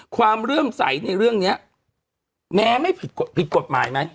เรื่องใสในเรื่องนี้แม้ไม่ผิดกฎหมายไหม